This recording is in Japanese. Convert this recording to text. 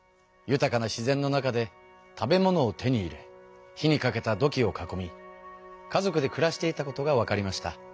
豊かな自然の中で食べ物を手に入れ火にかけた土器を囲み家族で暮らしていたことがわかりました。